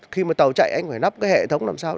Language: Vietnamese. khi mà tàu chạy anh phải nắp cái hệ thống làm sao